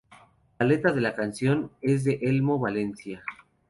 La letra de la canción es de Elmo Valencia.